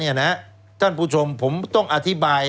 แล้วเขาก็ใช้วิธีการเหมือนกับในการ์ตูน